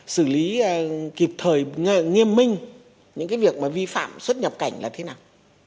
sử lý kịp thời nghiêm minh những việc vi phạm xuất nhập cảnh là thế nào